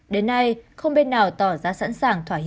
đến nay không bên nào tỏ ra sẵn sàng thỏa hiệp